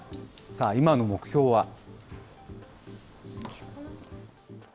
さあ、今の目標は。